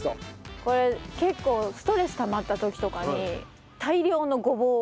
これ結構ストレスたまった時とかに。